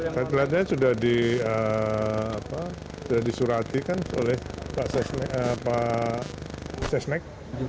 ketua dprd sudah disuratikan oleh pak sesnek